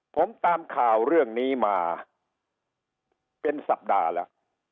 ผมตามข่าวเรื่องนี้มาเป็นสัปดาห์แล้ว